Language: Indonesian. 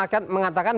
oke anda mengatakan